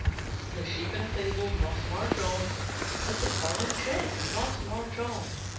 The sheep in a fable must march on, as the pawn in chess must march on.